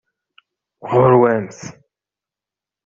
Ɣur-wamt!